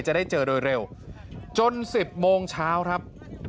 จะได้เจอโดยเร็วจน๑๐โมงเช้าครับ